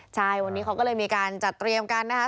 ใช่วันนี้เขาก็เลยมีการจัดเตรียมกันนะคะ